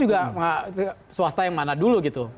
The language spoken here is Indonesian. juga swasta yang mana dulu gitu